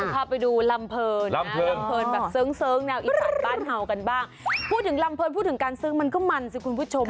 พาไปดูลำเพิร์นนะลำเพิร์นแบบเสิร์กแนวบ้านเงากันบ้างพูดถึงลำเพิร์นพูดถึงการเสิร์กมันก็มันสิคุณผู้ชม